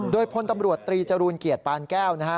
โดยพลตำรวจตรีจรูลเกียรติปานแก้วนะฮะ